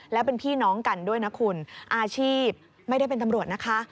แล้วเป็นพี่น้องกันด้วยนะคุณอาชีพไม่ได้เป็นตำรวจนะคะ